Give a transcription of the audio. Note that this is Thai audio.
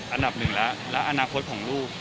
อันดับหนึ่งแล้วแล้วอนาคตของลูก